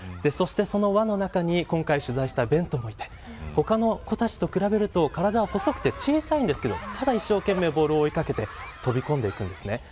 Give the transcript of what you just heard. その輪の中に今回取材したベントもいて他の子たちと比べると体は細くて小さいんですけど一生懸命ボールを追いかけて飛び込んでいくんですね。